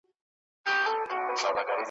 د اولیاوو او شیخانو پیر وو ,